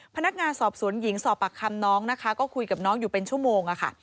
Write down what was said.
พนักงานสอบสวนหญิงสอบปากคำน้องนะคะก็คุยกับน้องอยู่เป็นชั่วโมงค่ะ